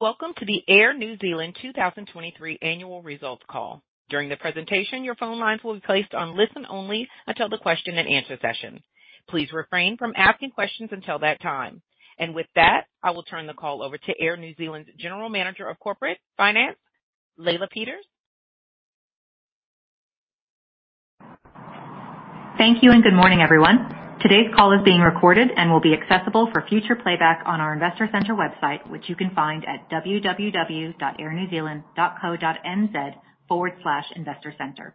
Welcome to the Air New Zealand 2023 annual results call. During the presentation, your phone lines will be placed on listen only until the question and answer session. Please refrain from asking questions until that time. With that, I will turn the call over to Air New Zealand's General Manager of Corporate Finance, Leila Peters. Thank you, good morning, everyone. Today's call is being recorded and will be accessible for future playback on our Investor Center website, which you can find at www.airnewzealand.co.nz/investor-centre.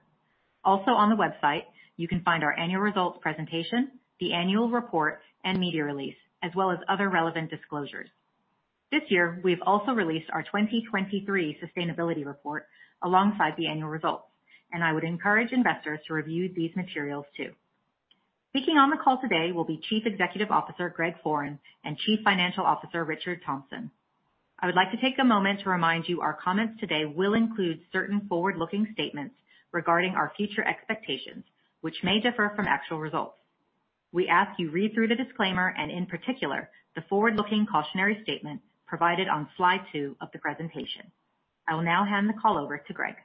Also on the website, you can find our annual results presentation, the annual report, and media release, as well as other relevant disclosures. This year, we've also released our 2023 Sustainability Report alongside the annual results, and I would encourage investors to review these materials, too. Speaking on the call today will be Chief Executive Officer Greg Foran and Chief Financial Officer Richard Thomson. I would like to take a moment to remind you, our comments today will include certain forward-looking statements regarding our future expectations, which may differ from actual results. We ask you read through the disclaimer and, in particular, the forward-looking cautionary statement provided on slide 2 of the presentation. I will now hand the call over to Greg.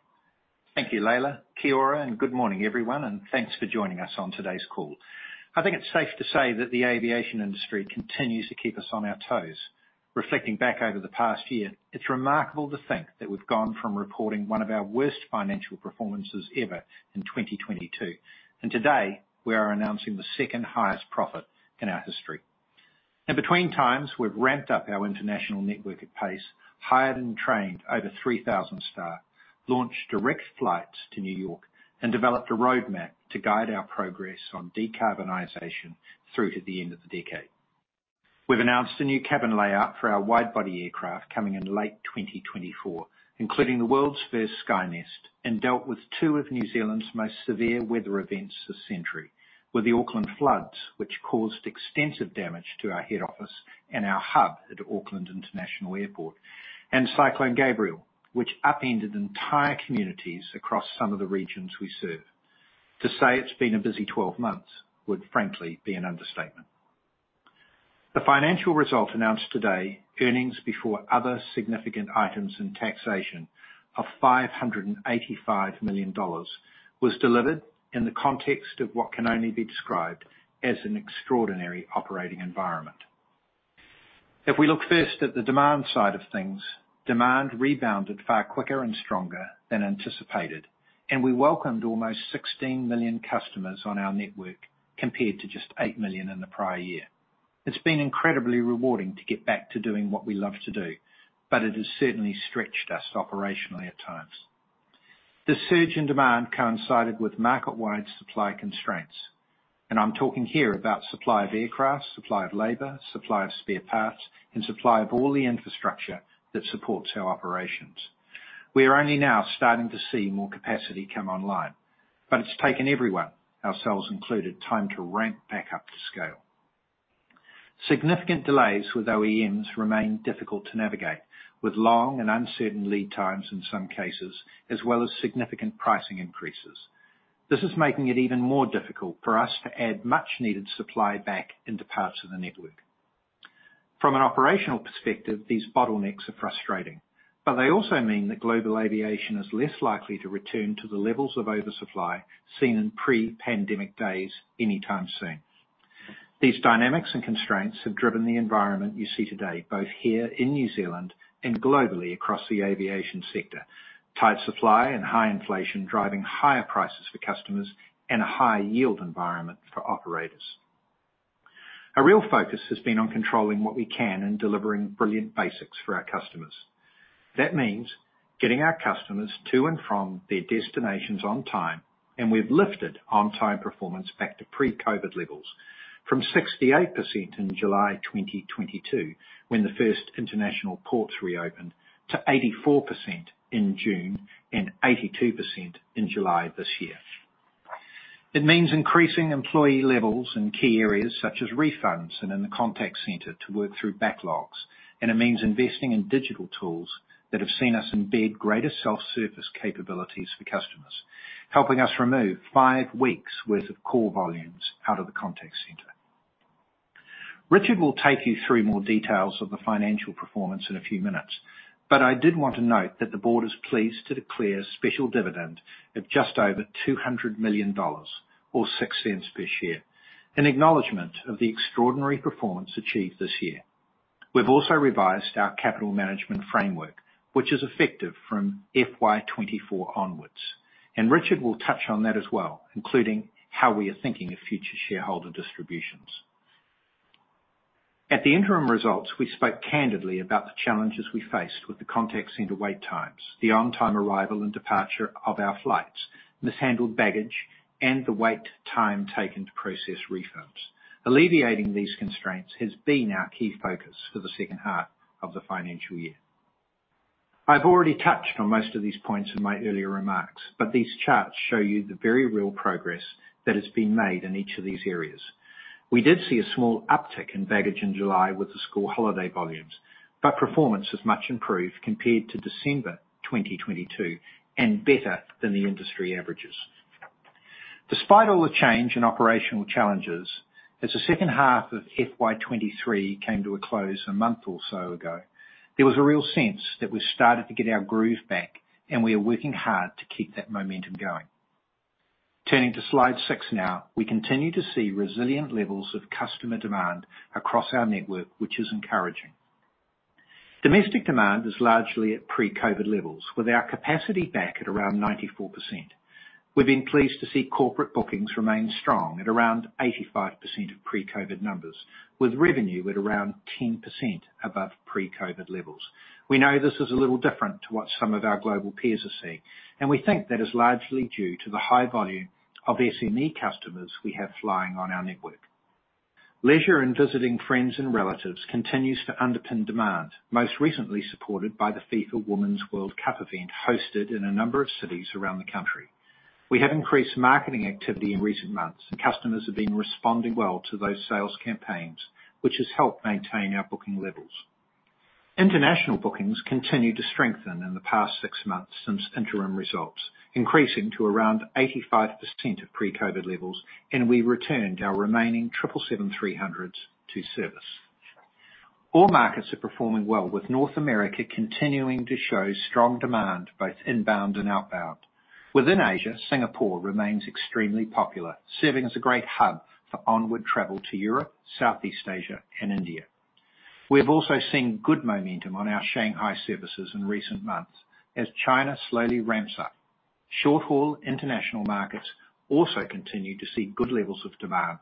Thank you, Leila. Kia ora, and good morning, everyone, and thanks for joining us on today's call. I think it's safe to say that the aviation industry continues to keep us on our toes. Reflecting back over the past year, it's remarkable to think that we've gone from reporting one of our worst financial performances ever in 2022. Today we are announcing the second-highest profit in our history. In between times, we've ramped up our international network at pace, hired and trained over 3,000 staff, launched direct flights to New York, and developed a roadmap to guide our progress on decarbonization through to the end of the decade. We've announced a new cabin layout for our wide-body aircraft coming in late 2024, including the world's first Skynest, and dealt with 2 of New Zealand's most severe weather events this century, with the Auckland floods, which caused extensive damage to our head office and our hub at Auckland International Airport, and Cyclone Gabrielle, which upended entire communities across some of the regions we serve. To say it's been a busy 12 months would frankly be an understatement. The financial results announced today, earnings before other significant items and taxation of 585 million dollars, was delivered in the context of what can only be described as an extraordinary operating environment. We look first at the demand side of things, demand rebounded far quicker and stronger than anticipated, we welcomed almost 16 million customers on our network, compared to just 8 million in the prior year. It's been incredibly rewarding to get back to doing what we love to do, it has certainly stretched us operationally at times. The surge in demand coincided with market-wide supply constraints, I'm talking here about supply of aircraft, supply of labor, supply of spare parts, and supply of all the infrastructure that supports our operations. We are only now starting to see more capacity come online, it's taken everyone, ourselves included, time to ramp back up to scale. Significant delays with OEMs remain difficult to navigate, with long and uncertain lead times in some cases, as well as significant pricing increases. This is making it even more difficult for us to add much-needed supply back into parts of the network. From an operational perspective, these bottlenecks are frustrating, but they also mean that global aviation is less likely to return to the levels of oversupply seen in pre-pandemic days anytime soon. These dynamics and constraints have driven the environment you see today, both here in New Zealand and globally across the aviation sector. Tight supply and high inflation, driving higher prices for customers and a high yield environment for operators. Our real focus has been on controlling what we can and delivering brilliant basics for our customers. That means getting our customers to and from their destinations on time, and we've lifted on-time performance back to pre-COVID levels, from 68% in July 2022, when the first international ports reopened, to 84% in June and 82% in July this year. It means increasing employee levels in key areas such as refunds and in the contact center to work through backlogs, and it means investing in digital tools that have seen us embed greater self-service capabilities for customers, helping us remove 5 weeks worth of call volumes out of the contact center. Richard will take you through more details of the financial performance in a few minutes, but I did want to note that the board is pleased to declare a special dividend of just over 200 million dollars, or 0.06 per share, in acknowledgement of the extraordinary performance achieved this year. We've also revised our capital management framework, which is effective from FY24 onwards, and Richard will touch on that as well, including how we are thinking of future shareholder distributions. At the interim results, we spoke candidly about the challenges we faced with the contact center wait times, the on-time arrival and departure of our flights, mishandled baggage, and the wait time taken to process refunds. Alleviating these constraints has been our key focus for the second half of the financial year. I've already touched on most of these points in my earlier remarks, but these charts show you the very real progress that has been made in each of these areas. We did see a small uptick in baggage in July with the school holiday volumes, but performance is much improved compared to December 2022, and better than the industry averages. Despite all the change in operational challenges, as the second half of FY23 came to a close a month or so ago, there was a real sense that we've started to get our groove back. We are working hard to keep that momentum going. Turning to slide 6 now, we continue to see resilient levels of customer demand across our network, which is encouraging. Domestic demand is largely at pre-COVID levels, with our capacity back at around 94%. We've been pleased to see corporate bookings remain strong at around 85% of pre-COVID numbers, with revenue at around 10% above pre-COVID levels. We know this is a little different to what some of our global peers are seeing. We think that is largely due to the high volume of SME customers we have flying on our network. Leisure and visiting friends and relatives continues to underpin demand, most recently supported by the FIFA Women's World Cup event, hosted in a number of cities around the country. Customers have been responding well to those sales campaigns, which has helped maintain our booking levels. International bookings continued to strengthen in the past six months since interim results, increasing to around 85% of pre-COVID levels. We returned our remaining triple seven three hundreds to service. All markets are performing well, with North America continuing to show strong demand, both inbound and outbound. Within Asia, Singapore remains extremely popular, serving as a great hub for onward travel to Europe, Southeast Asia, and India. We have also seen good momentum on our Shanghai services in recent months as China slowly ramps up. Short-haul international markets also continue to see good levels of demand,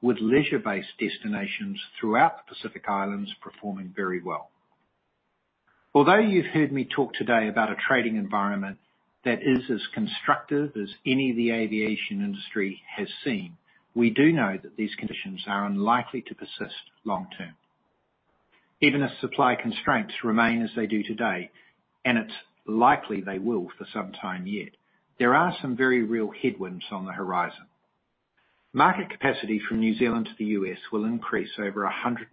with leisure-based destinations throughout the Pacific Islands performing very well. Although you've heard me talk today about a trading environment that is as constructive as any the aviation industry has seen, we do know that these conditions are unlikely to persist long-term. Even as supply constraints remain as they do today, and it's likely they will for some time yet, there are some very real headwinds on the horizon. Market capacity from New Zealand to the US will increase over 120%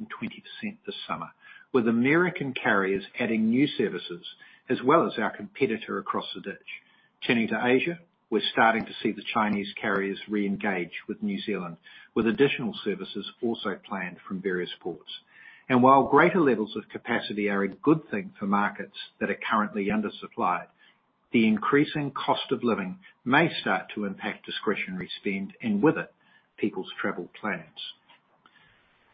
this summer, with American carriers adding new services, as well as our competitor across the ditch. Turning to Asia, we're starting to see the Chinese carriers re-engage with New Zealand, with additional services also planned from various ports. While greater levels of capacity are a good thing for markets that are currently undersupplied, the increasing cost of living may start to impact discretionary spend, and with it, people's travel plans.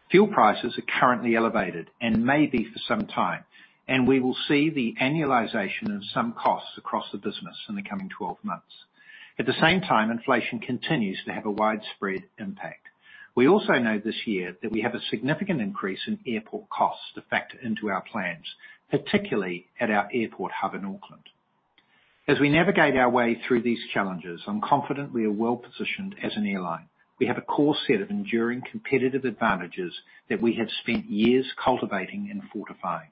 Fuel prices are currently elevated and may be for some time, and we will see the annualization of some costs across the business in the coming 12 months. At the same time, inflation continues to have a widespread impact. We also know this year that we have a significant increase in airport costs to factor into our plans, particularly at our airport hub in Auckland. As we navigate our way through these challenges, I'm confident we are well positioned as an airline. We have a core set of enduring competitive advantages that we have spent years cultivating and fortifying.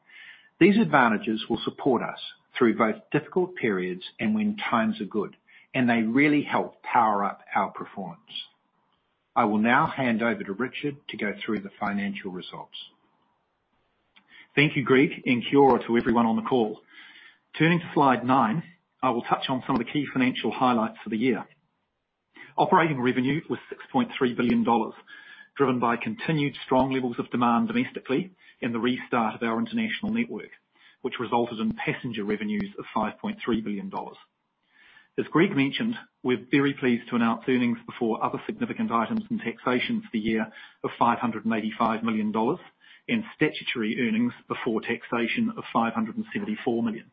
These advantages will support us through both difficult periods and when times are good, and they really help power up our performance. I will now hand over to Richard to go through the financial results. Thank you, Greg, kia ora to everyone on the call. Turning to slide 9, I will touch on some of the key financial highlights for the year. Operating revenue was 6.3 billion dollars, driven by continued strong levels of demand domestically and the restart of our international network, which resulted in passenger revenues of 5.3 billion dollars. As Greg mentioned, we're very pleased to announce earnings before other significant items and taxation for the year of 585 million dollars, and statutory earnings before taxation of 574 million.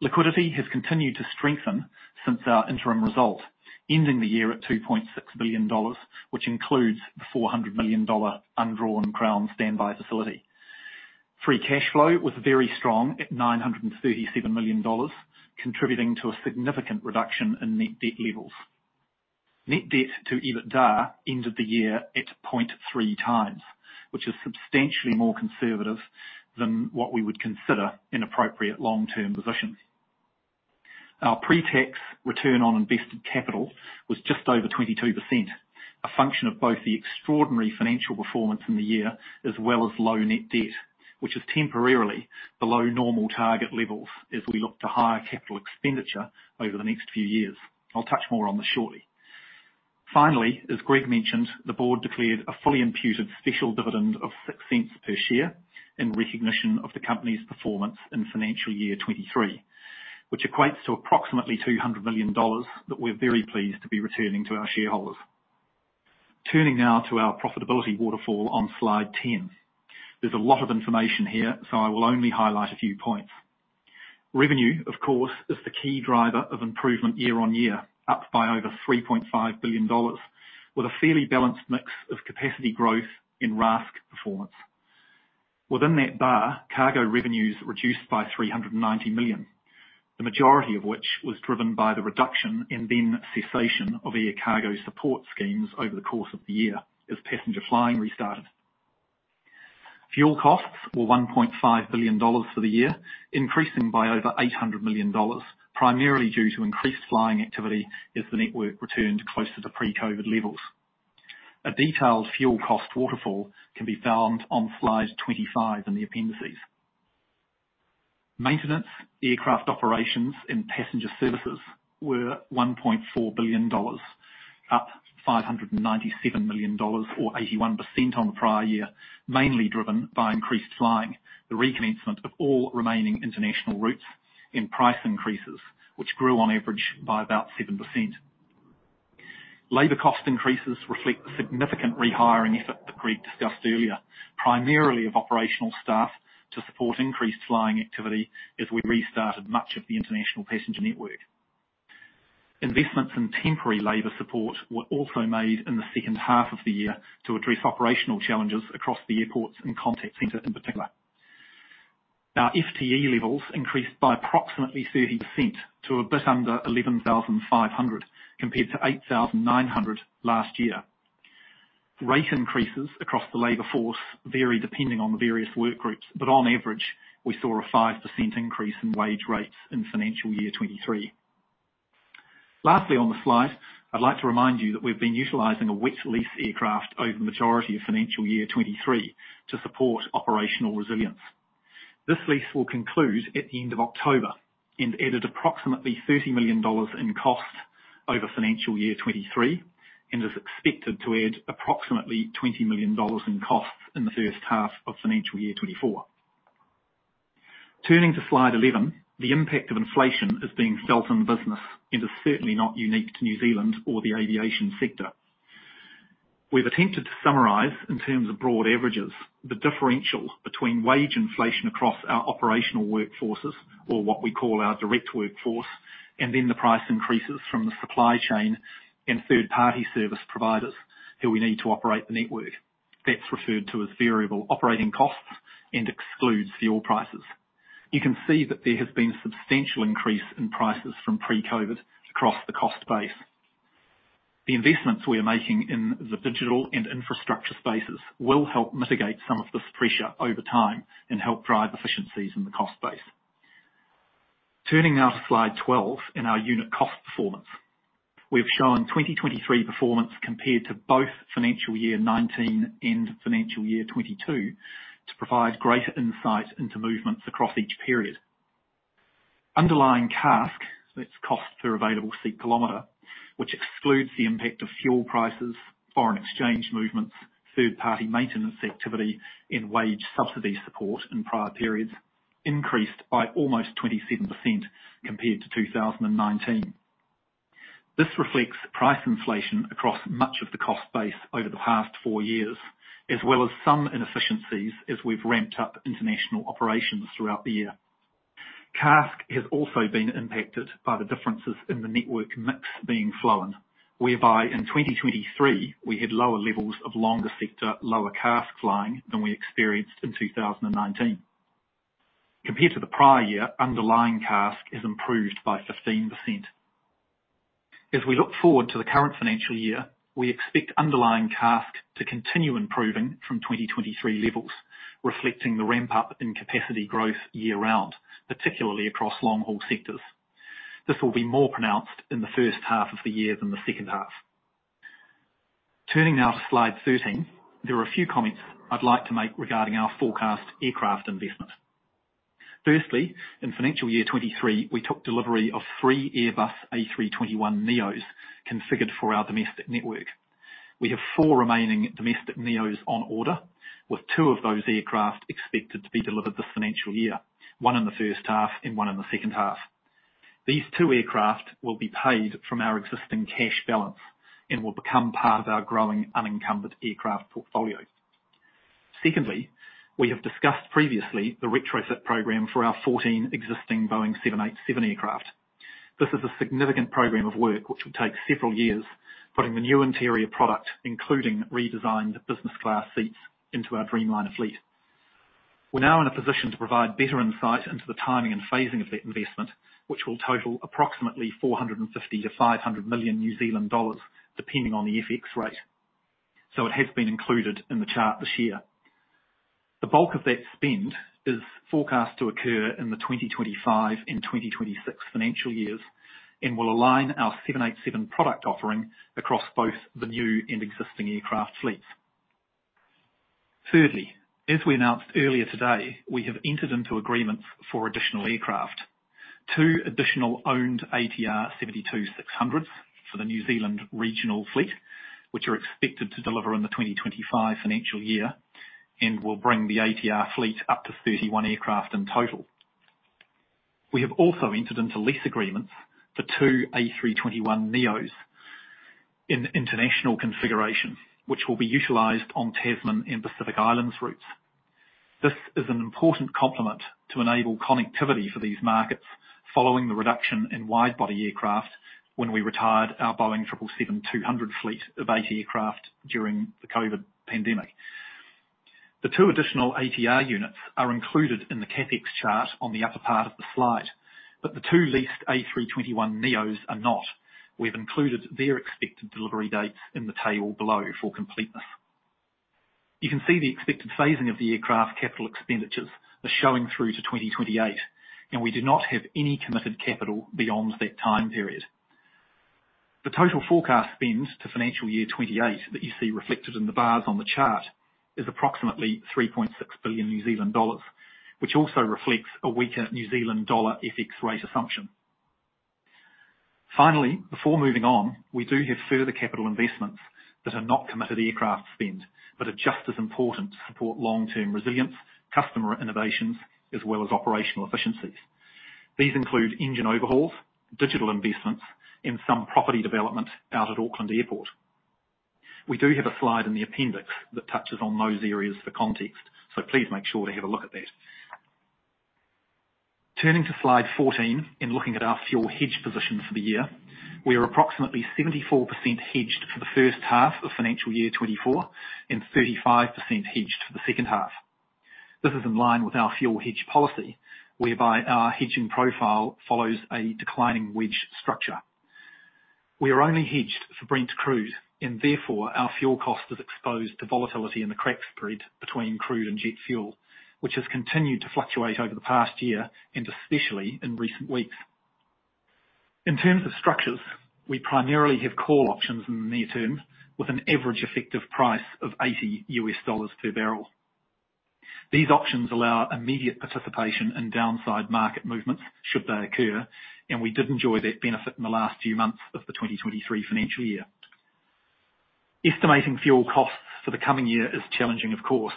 Liquidity has continued to strengthen since our interim result, ending the year at 2.6 billion dollars, which includes the 400 million dollar undrawn Crown Standby Facility. Free cash flow was very strong at 937 million dollars, contributing to a significant reduction in net debt levels. Net debt to EBITDA ended the year at 0.3 times, which is substantially more conservative than what we would consider an appropriate long-term position. Our pre-tax return on invested capital was just over 22%, a function of both the extraordinary financial performance in the year, as well as low net debt, which is temporarily below normal target levels as we look to higher capital expenditure over the next few years. I'll touch more on this shortly. As Greg mentioned, the board declared a fully imputed special dividend of 0.06 per share in recognition of the company's performance in FY23, which equates to approximately 200 million dollars, that we're very pleased to be returning to our shareholders. Turning now to our profitability waterfall on slide 10. There's a lot of information here, so I will only highlight a few points. Revenue, of course, is the key driver of improvement year-over-year, up by over 3.5 billion dollars, with a fairly balanced mix of capacity growth and RASK performance. Within that bar, cargo revenues reduced by 390 million, the majority of which was driven by the reduction and then cessation of Maintaining International Air Connectivity over the course of the year as passenger flying restarted. Fuel costs were 1.5 billion dollars for the year, increasing by over 800 million dollars, primarily due to increased flying activity as the network returned closer to pre-COVID levels. A detailed fuel cost waterfall can be found on slide 25 in the appendices. Maintenance, aircraft operations, and passenger services were 1.4 billion dollars, up 597 million dollars, or 81% on the prior year, mainly driven by increased flying, the recommencement of all remaining international routes and price increases, which grew on average by about 7%. Labor cost increases reflect the significant rehiring effort that Greg discussed earlier, primarily of operational staff to support increased flying activity as we restarted much of the international passenger network. Investments in temporary labor support were also made in the second half of the year to address operational challenges across the airports and contact center, in particular. Our FTE levels increased by approximately 30% to a bit under 11,500, compared to 8,900 last year. Rate increases across the labor force vary depending on the various work groups, but on average, we saw a 5% increase in wage rates in financial year 2023. Lastly, on the slide, I'd like to remind you that we've been utilizing a wet lease aircraft over the majority of financial year 2023 to support operational resilience. This lease will conclude at the end of October and added approximately 30 million dollars in cost over financial year 2023, and is expected to add approximately 20 million dollars in costs in the first half of financial year 2024. Turning to slide 11, the impact of inflation is being felt in the business and is certainly not unique to New Zealand or the aviation sector. We've attempted to summarize, in terms of broad averages, the differential between wage inflation across our operational workforces, or what we call our direct workforce, and then the price increases from the supply chain and third-party service providers who we need to operate the network. That's referred to as variable operating costs and excludes fuel prices. You can see that there has been a substantial increase in prices from pre-COVID across the cost base. The investments we are making in the digital and infrastructure spaces will help mitigate some of this pressure over time and help drive efficiencies in the cost base. Turning now to slide 12, in our unit cost performance. We've shown 2023 performance compared to both financial year 2019 and financial year 2022, to provide greater insight into movements across each period. Underlying CASK, that's cost per available seat kilometer, which excludes the impact of fuel prices, foreign exchange movements, third-party maintenance activity, and wage subsidy support in prior periods, increased by almost 27% compared to 2019. This reflects price inflation across much of the cost base over the past four years, as well as some inefficiencies as we've ramped up international operations throughout the year. CASK has also been impacted by the differences in the network mix being flown, whereby in 2023, we had lower levels of longer sector, lower CASK flying than we experienced in 2019. Compared to the prior year, underlying CASK is improved by 15%. As we look forward to the current financial year, we expect underlying CASK to continue improving from 2023 levels, reflecting the ramp-up in capacity growth year-round, particularly across long-haul sectors. This will be more pronounced in the first half of the year than the second half. Turning now to slide 13. There are a few comments I'd like to make regarding our forecast aircraft investment. Firstly, in financial year 2023, we took delivery of three Airbus A321neo configured for our domestic network. We have four remaining domestic neos on order, with two of those aircraft expected to be delivered this financial year, one in the first half and one in the second half. These two aircraft will be paid from our existing cash balance and will become part of our growing unencumbered aircraft portfolio. Secondly, we have discussed previously the retrofit program for our 14 existing Boeing 787 aircraft. This is a significant program of work which will take several years, putting the new interior product, including redesigned business class seats, into our Dreamliner fleet. We're now in a position to provide better insight into the timing and phasing of that investment, which will total approximately 450 million-500 million New Zealand dollars, depending on the FX rate. It has been included in the chart this year. The bulk of that spend is forecast to occur in the 2025 and 2026 financial years. It will align our 787 product offering across both the new and existing aircraft fleets. Thirdly, as we announced earlier today, we have entered into agreements for additional aircraft. 2 additional owned ATR 72-600s for the New Zealand regional fleet, which are expected to deliver in the 2025 financial year. It will bring the ATR fleet up to 31 aircraft in total. We have also entered into lease agreements for 2 A321neo in international configuration, which will be utilized on Tasman and Pacific Islands routes. This is an important complement to enable connectivity for these markets following the reduction in wide-body aircraft when we retired our Boeing 777-200 fleet of 8 aircraft during the COVID pandemic. The 2 additional ATR units are included in the CapEx chart on the upper part of the slide. The 2 leased A321neo are not. We've included their expected delivery dates in the table below for completeness. You can see the expected phasing of the aircraft capital expenditures are showing through to 2028. We do not have any committed capital beyond that time period. The total forecast spend to financial year 2028 that you see reflected in the bars on the chart is approximately 3.6 billion New Zealand dollars, which also reflects a weaker New Zealand dollar FX rate assumption. Before moving on, we do have further capital investments that are not committed aircraft spend, but are just as important to support long-term resilience, customer innovations, as well as operational efficiencies. These include engine overhauls, digital investments, and some property development out at Auckland Airport. We do have a slide in the appendix that touches on those areas for context, so please make sure to have a look at that. Turning to slide 14, looking at our fuel hedge position for the year, we are approximately 74% hedged for the first half of FY24, and 35% hedged for the second half. This is in line with our fuel hedge policy, whereby our hedging profile follows a declining wedge structure. We are only hedged for Brent Crude, and therefore, our fuel cost is exposed to volatility in the crack spread between crude and jet fuel, which has continued to fluctuate over the past year and especially in recent weeks. In terms of structures, we primarily have call options in the near term, with an average effective price of $80 per barrel. These options allow immediate participation in downside market movements should they occur, and we did enjoy that benefit in the last few months of FY23. Estimating fuel costs for the coming year is challenging, of course,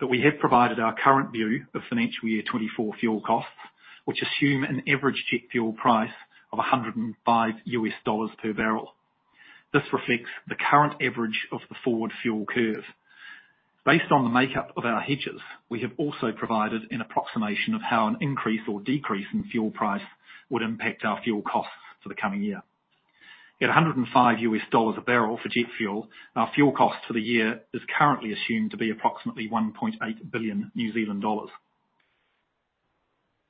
but we have provided our current view of FY24 fuel costs, which assume an average jet fuel price of $105 per barrel. This reflects the current average of the forward fuel curve. Based on the makeup of our hedges, we have also provided an approximation of how an increase or decrease in fuel price would impact our fuel costs for the coming year. At $105 a barrel for jet fuel, our fuel cost for the year is currently assumed to be approximately 1.8 billion New Zealand dollars.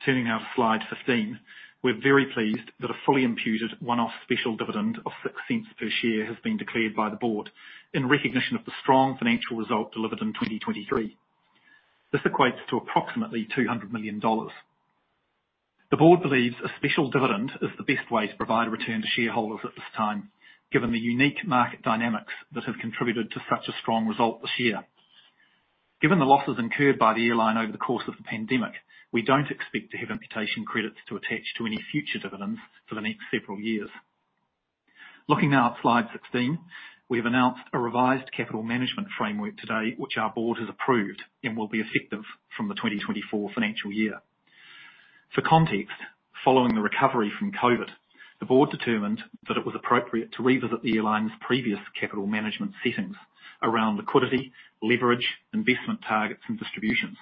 Turning now to slide 15. We're very pleased that a fully imputed one-off special dividend of 0.06 per share has been declared by the board, in recognition of the strong financial result delivered in 2023. This equates to approximately 200 million dollars. The board believes a special dividend is the best way to provide a return to shareholders at this time, given the unique market dynamics that have contributed to such a strong result this year. Given the losses incurred by the airline over the course of the pandemic, we don't expect to have imputation credits to attach to any future dividends for the next several years. Looking now at slide 16. We have announced a revised capital management framework today, which our board has approved and will be effective from the 2024 financial year. For context, following the recovery from COVID, the board determined that it was appropriate to revisit the airline's previous capital management settings around liquidity, leverage, investment targets, and distributions.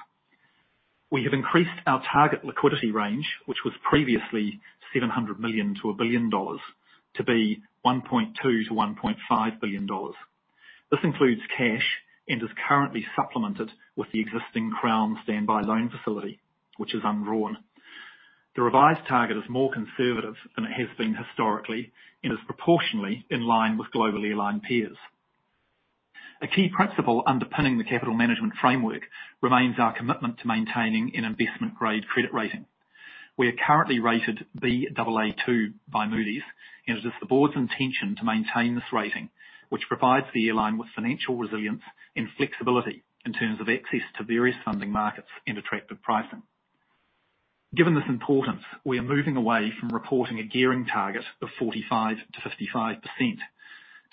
We have increased our target liquidity range, which was previously 700 million-1 billion dollars, to be 1.2 billion-1.5 billion dollars. This includes cash and is currently supplemented with the existing Crown Standby Loan Facility, which is undrawn. The revised target is more conservative than it has been historically and is proportionally in line with global airline peers. A key principle underpinning the capital management framework remains our commitment to maintaining an investment-grade credit rating. We are currently rated Baa2 by Moody's, and it is the board's intention to maintain this rating, which provides the airline with financial resilience and flexibility in terms of access to various funding markets and attractive pricing. Given this importance, we are moving away from reporting a gearing target of 45%-55%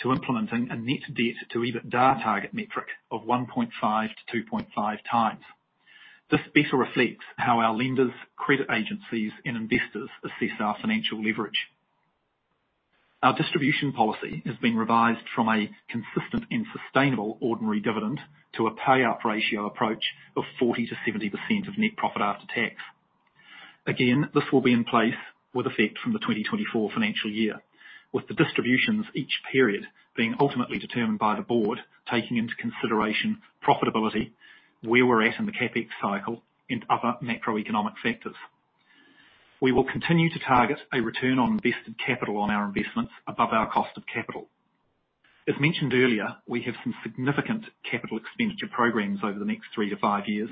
to implementing a net debt to EBITDA target metric of 1.5-2.5x. This better reflects how our lenders, credit agencies, and investors assess our financial leverage. Our distribution policy has been revised from a consistent and sustainable ordinary dividend to a payout ratio approach of 40%-70% of net profit after tax. Again, this will be in place with effect from the 2024 financial year, with the distributions each period being ultimately determined by the board, taking into consideration profitability, where we're at in the CapEx cycle, and other macroeconomic factors. We will continue to target a return on invested capital on our investments above our cost of capital. As mentioned earlier, we have some significant capital expenditure programs over the next three to five years,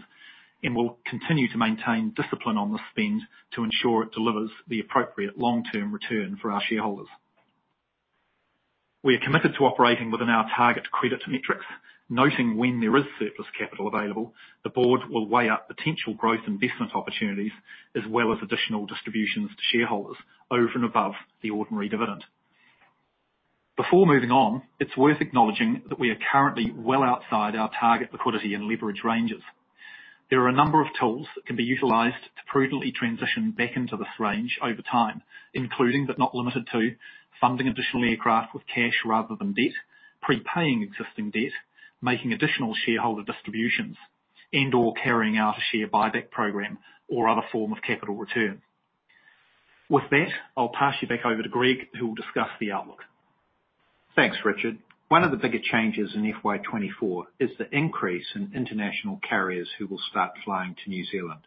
and we'll continue to maintain discipline on the spend to ensure it delivers the appropriate long-term return for our shareholders. We are committed to operating within our target credit metrics, noting when there is surplus capital available, the board will weigh up potential growth investment opportunities, as well as additional distributions to shareholders over and above the ordinary dividend. Before moving on, it's worth acknowledging that we are currently well outside our target liquidity and leverage ranges. There are a number of tools that can be utilized to prudently transition back into this range over time, including, but not limited to, funding additional aircraft with cash rather than debt, prepaying existing debt, making additional shareholder distributions, and/or carrying out a share buyback program or other form of capital return. That, I'll pass you back over to Greg, who will discuss the outlook. Thanks, Richard. One of the bigger changes in FY24 is the increase in international carriers who will start flying to New Zealand.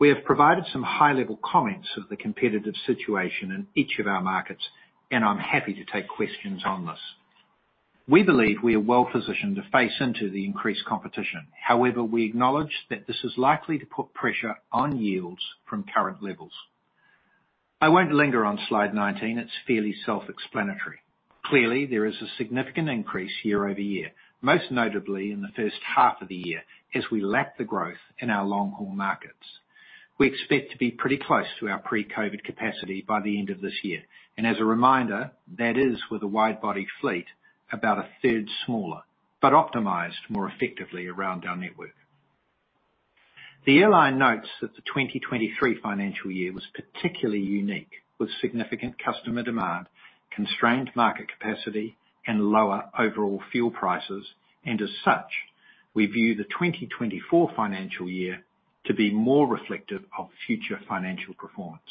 We have provided some high-level comments of the competitive situation in each of our markets, and I'm happy to take questions on this. We believe we are well positioned to face into the increased competition. However, we acknowledge that this is likely to put pressure on yields from current levels. I won't linger on slide 19, it's fairly self-explanatory. Clearly, there is a significant increase year-over-year, most notably in the first half of the year, as we lap the growth in our long-haul markets. We expect to be pretty close to our pre-COVID capacity by the end of this year, and as a reminder, that is with a wide-body fleet, about a third smaller, but optimized more effectively around our network. The airline notes that the 2023 financial year was particularly unique, with significant customer demand, constrained market capacity, and lower overall fuel prices. As such, we view the 2024 financial year to be more reflective of future financial performance.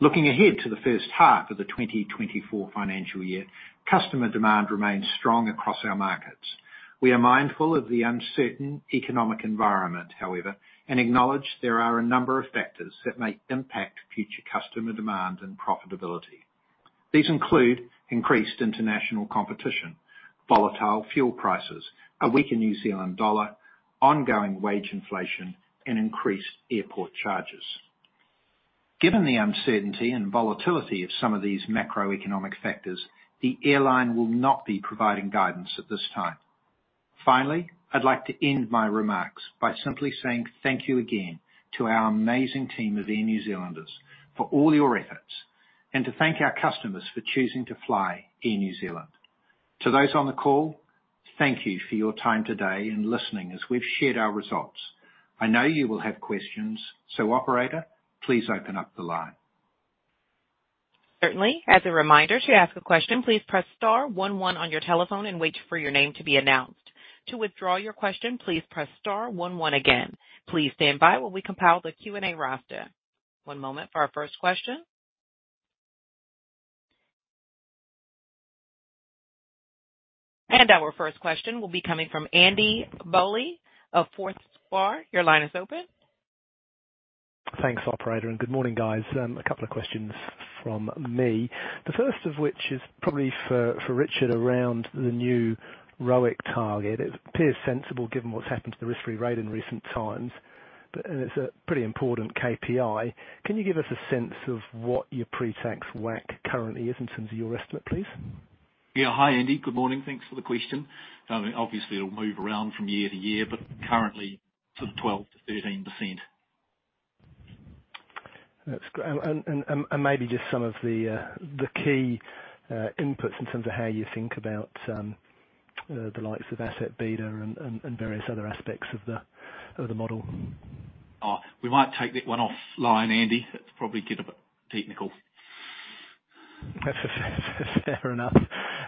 Looking ahead to the first half of the 2024 financial year, customer demand remains strong across our markets. We are mindful of the uncertain economic environment, however, and acknowledge there are a number of factors that may impact future customer demand and profitability. These include increased international competition, volatile fuel prices, a weaker New Zealand dollar, ongoing wage inflation, and increased airport charges. Given the uncertainty and volatility of some of these macroeconomic factors, the airline will not be providing guidance at this time. Finally, I'd like to end my remarks by simply saying thank you again to our amazing team of Air New Zealanders for all your efforts, and to thank our customers for choosing to fly Air New Zealand. To those on the call, thank you for your time today and listening as we've shared our results. I know you will have questions, so operator, please open up the line. Certainly. As a reminder, to ask a question, please press star one one on your telephone and wait for your name to be announced. To withdraw your question, please press star one one again. Please stand by while we compile the Q&A roster. One moment for our first question. Our first question will be coming from Andy Bowley of Forsyth Barr. Your line is open. Thanks, operator. Good morning, guys. A couple of questions from me, the first of which is probably for Richard around the new ROIC target. It appears sensible, given what's happened to the risk-free rate in recent times. It's a pretty important KPI. Can you give us a sense of what your pre-tax WACC currently is in terms of your estimate, please? Yeah. Hi, Andy, good morning. Thanks for the question. Obviously, it'll move around from year to year, but currently sort of 12%-13%. That's great. And maybe just some of the, the key, inputs in terms of how you think about, the likes of asset beta and various other aspects of the, of the model. Oh, we might take that one offline, Andy. That's probably getting a bit technical. Fair enough.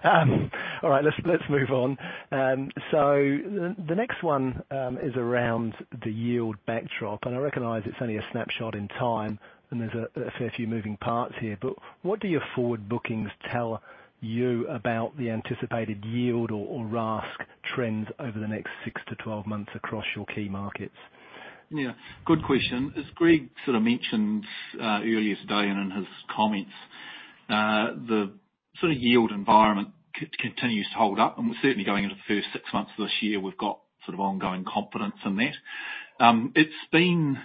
All right, let's, let's move on. The, the next one, is around the yield backdrop, and I recognize it's only a snapshot in time, and there's a, a fair few moving parts here, but what do your forward bookings tell you about the anticipated yield or, or RASK trends over the next 6-12 months across your key markets? Yeah, good question. As Greg sort of mentioned earlier today and in his comments, the sort of yield environment continues to hold up, and we're certainly going into the first 6 months of this year, we've got sort of ongoing confidence in that. It's been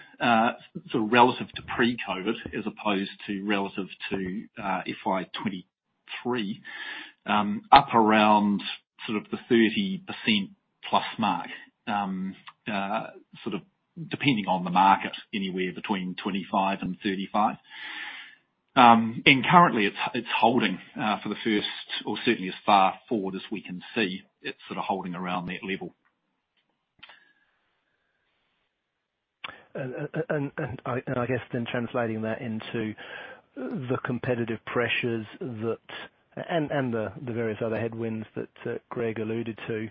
sort of relative to pre-COVID as opposed to relative to FY23, up around sort of the 30%+ mark, sort of depending on the market, anywhere between 25 and 35. Currently it's, it's holding, for the first, or certainly as far forward as we can see, it's sort of holding around that level. I guess then translating that into the competitive pressures that... and, and the, the various other headwinds that Greg alluded to,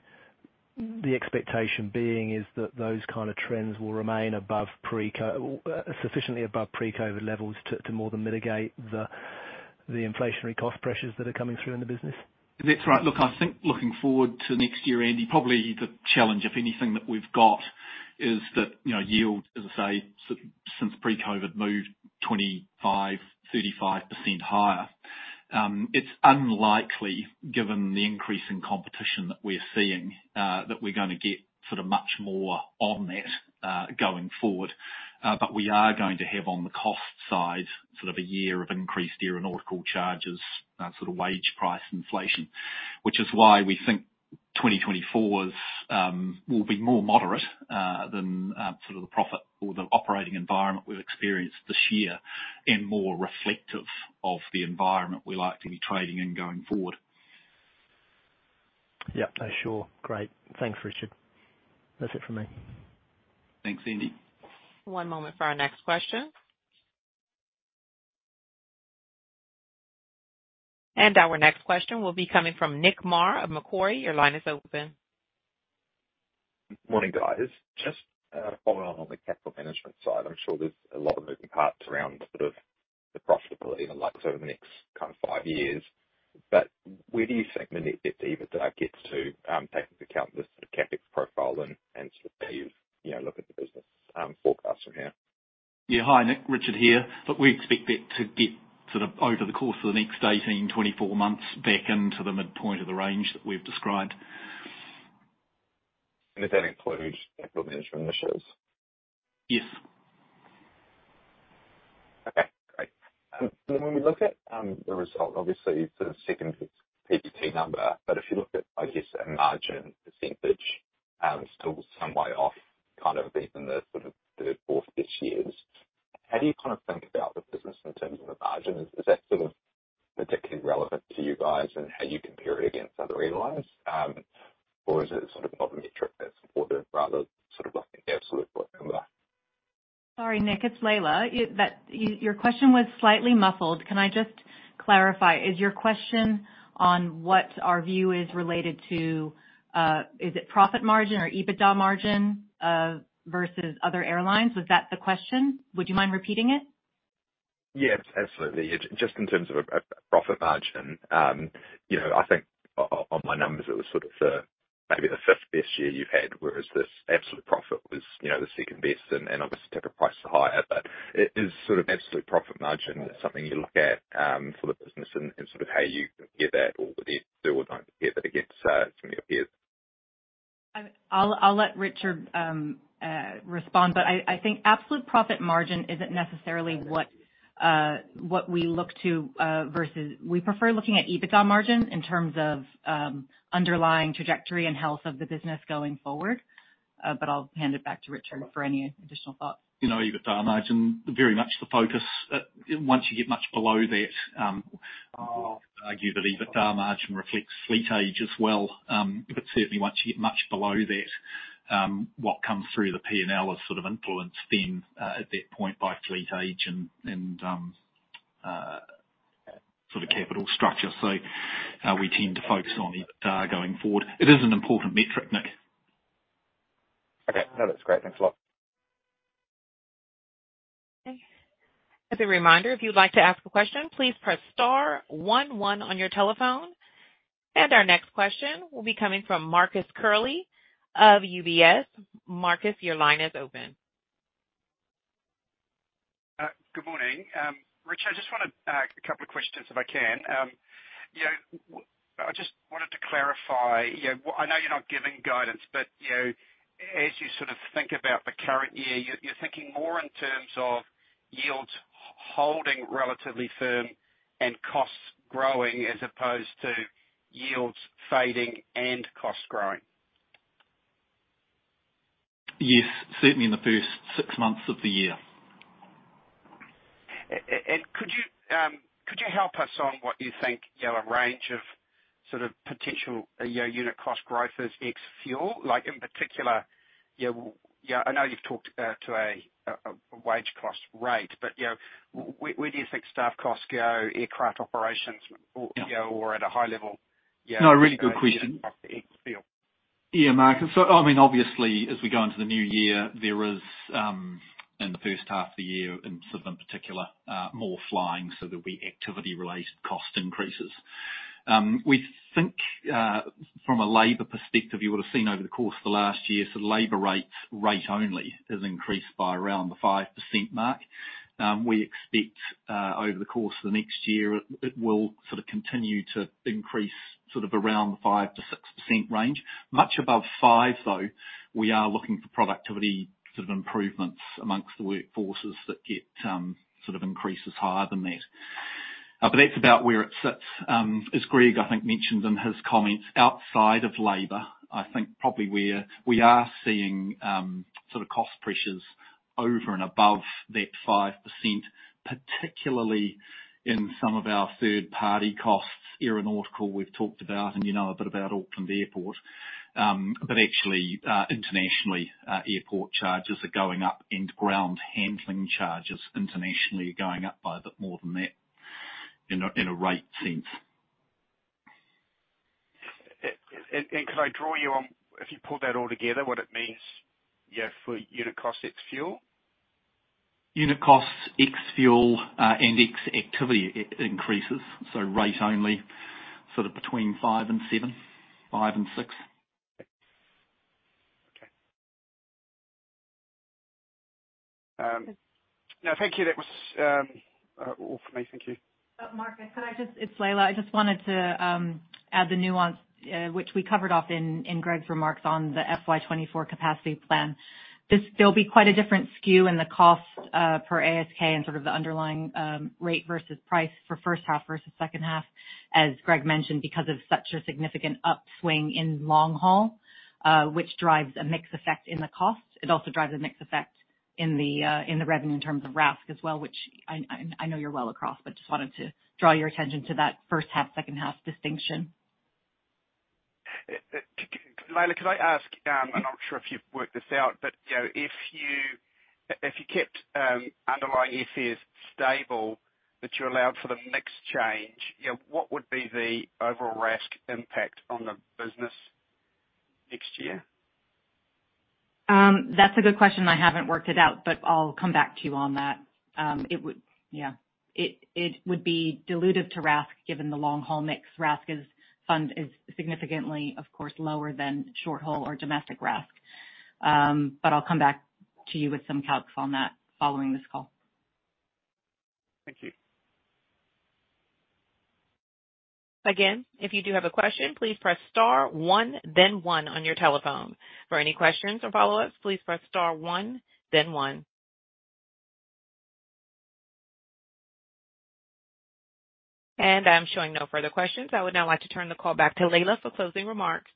the expectation being is that those kind of trends will remain above pre-COVID, sufficiently above pre-COVID levels to, to more than mitigate the, the inflationary cost pressures that are coming through in the business? That's right. Look, I think looking forward to next year, Andy, probably the challenge, if anything, that we've got is that, you know, yield, as I say, since pre-COVID moved 25%-35% higher. It's unlikely, given the increase in competition that we're seeing, that we're going to get sort of much more on that going forward. But we are going to have on the cost side, sort of a year of increased aeronautical charges, sort of wage price inflation, which is why we think 2024 is will be more moderate than sort of the profit or the operating environment we've experienced this year, and more reflective of the environment we like to be trading in going forward. Yeah. Sure. Great. Thanks, Richard. That's it from me. Thanks, Andy. One moment for our next question. Our next question will be coming from Nick Mar of Macquarie. Your line is open. Morning, guys. Just following on, on the capital management side, I'm sure there's a lot of moving parts around sort of the profitability and like over the next kind of 5 years, but where do you think the net debt EBITDA gets to, taking into account the CapEx profile and, and sort of you, you know, look at the business, forecast from here? Yeah. Hi, Nick. Richard here. Look, we expect that to get sort of over the course of the next 18-24 months, back into the midpoint of the range that we've described. Does that include capital management initiatives? Yes. Okay, great. When we look at the result, obviously it's the second PTT number, but if you look at, I guess, a margin percentage, still some way off, kind of even the sort of third quarter this year. How do you kind of think about the business in terms of the margins? Is that sort of particularly relevant to you guys and how you compare it against other airlines? Is it sort of not a metric that's important, rather sort of like the absolute number? Sorry, Nick, it's Leila. Your question was slightly muffled. Can I just clarify, is your question on what our view is related to, is it profit margin or EBITDA margin, versus other airlines? Was that the question? Would you mind repeating it? Yes, absolutely. Just in terms of a profit margin, you know, I think on my numbers, it was sort of the, maybe the fifth best year you've had, whereas this absolute profit was, you know, the second best and obviously ticket prices are higher. Is sort of absolute profit margin something you look at for the business and sort of how you compare that or whether you do or don't compare that against some of your peers? I'll let Richard respond, but I, I think absolute profit margin isn't necessarily what we look to versus... We prefer looking at EBITDA margin in terms of underlying trajectory and health of the business going forward. I'll hand it back to Richard for any additional thoughts. You know, EBITDA margin, very much the focus. Once you get much below that, argue that EBITDA margin reflects fleet age as well. Certainly once you get much below that, what comes through the P&L is sort of influenced then, at that point by fleet age and, and sort of capital structure. We tend to focus on EBITDA going forward. It is an important metric, Nick. Okay. No, that's great. Thanks a lot. As a reminder, if you'd like to ask a question, please press star one, one on your telephone. Our next question will be coming from Marcus Curley of UBS. Marcus, your line is open. Good morning. Richard, I just wanted to ask a couple of questions, if I can. you know, I just wanted to clarify, you know, I know you're not giving guidance, but, you know, as you sort of think about the current year, you're, you're thinking more in terms of yields holding relatively firm and costs growing, as opposed to yields fading and costs growing? Yes, certainly in the first six months of the year. Could you, could you help us on what you think, you know, a range of sort of potential, you know, unit cost growth is ex fuel? Like, in particular, you know, yeah, I know you've talked to a wage cost rate, but, you know, where do you think staff costs go, aircraft operations, or, you know, or at a high level? No, a really good question. Ex fuel. Marcus. I mean, obviously, as we go into the new year, there is in the first half of the year, in Southern in particular, more flying, so there'll be activity-related cost increases. We think from a labor perspective, you would have seen over the course of the last year, sort of labor rates, rate only, has increased by around the 5% mark. We expect over the course of the next year, it will sort of continue to increase sort of around the 5%-6% range. Much above 5, though, we are looking for productivity sort of improvements amongst the workforces that get sort of increases higher than that. That's about where it sits. As Greg, I think, mentioned in his comments, outside of labor, I think probably we are seeing, sort of cost pressures over and above that 5%, particularly in some of our third-party costs. Aeronautical, we've talked about, and you know a bit about Auckland Airport. Actually, internationally, airport charges are going up, and ground handling charges internationally are going up by a bit more than that in a, in a rate sense. Could I draw you on if you pull that all together, what it means, you know, for unit cost ex fuel? Unit costs ex fuel, and ex activity increases, so rate only, sort of between 5 and 7, 5 and 6. Okay. No, thank you. That was all for me. Thank you. Marcus, could I just... It's Leila. I just wanted to add the nuance, which we covered off in, in Greg's remarks on the FY24 capacity plan. This will be quite a different skew in the cost per ASK and sort of the underlying rate versus price for first half versus second half, as Greg mentioned, because of such a significant upswing in long haul, which drives a mixed effect in the cost. It also drives a mixed effect in the revenue in terms of RASK as well, which I, I, I know you're well across. Just wanted to draw your attention to that first half, second half distinction. Leila, could I ask, I'm not sure if you've worked this out, but, you know, if you, if you kept underlying ASK stable, but you allowed for the mix change, you know, what would be the overall RASK impact on the business next year? That's a good question. I haven't worked it out, but I'll come back to you on that. Yeah, it would be dilutive to RASK, given the long-haul mix. RASK is significantly, of course, lower than short-haul or domestic RASK. I'll come back to you with some calcs on that following this call. Thank you. Again, if you do have a question, please press star one, then one on your telephone. For any questions or follow-ups, please press star one, then one. I'm showing no further questions. I would now like to turn the call back to Leila for closing remarks.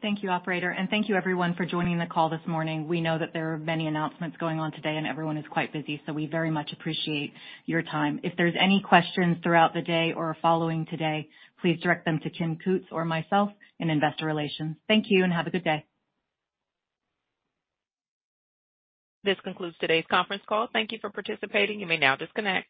Thank you, operator, and thank you everyone for joining the call this morning. We know that there are many announcements going on today, and everyone is quite busy, so we very much appreciate your time. If there's any questions throughout the day or following today, please direct them to Kim Cootes or myself in Investor Relations. Thank you, and have a good day. This concludes today's conference call. Thank you for participating. You may now disconnect.